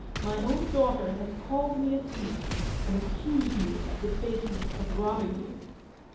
My own daughter has called me a thief, and ac cused me of the baseness of robbing you."